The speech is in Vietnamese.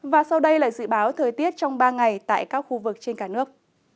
và sau đây là dự báo thời tiết trong ba ngày tại các khu vực trên cả nước